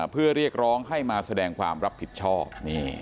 เพื่อเรียกร้องให้มาแสดงความรับผิดชอบ